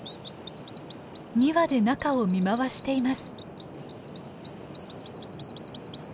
２羽で中を見回しています。